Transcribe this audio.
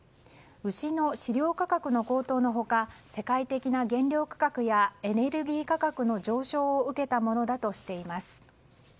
牛の飼料価格の高騰の他世界的な原料価格やエネルギー価格上昇を受けたものだとしています。